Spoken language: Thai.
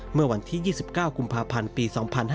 เมื่อวันที่๒๙กุมภาพันธ์ปี๒๕๕๙